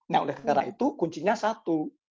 nah oleh karena itu kuncinya satu